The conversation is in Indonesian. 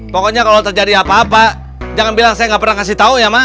pokoknya kalau terjadi apa apa jangan bilang saya nggak pernah ngasih tahu ya mak